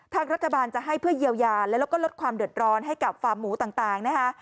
ทางรัฐบาลจะให้เพื่อเยียวยาแล้วก็ลดความเดือดร้อนให้กับฟาร์มหมูต่างนะคะ